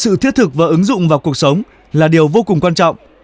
sự thiết thực và ứng dụng vào cuộc sống là điều vô cùng quan trọng